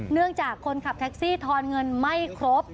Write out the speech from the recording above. เนื่องจากคนขับแท็กซี่ทอนเงินไม่ครบ